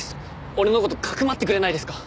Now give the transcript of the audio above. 俺の事かくまってくれないですか？